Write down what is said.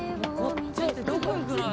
こっちってどこ行くのよ？